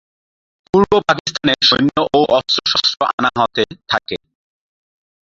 পূর্ব পাকিস্তানে সৈন্য ও অস্ত্রশস্ত্র আনা হতে থাকে।